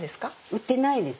売ってないです。